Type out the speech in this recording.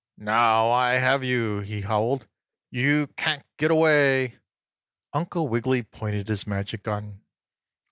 "Now I have you!" he howled. "You can't get away!" Uncle Wiggily pointed his magic gun.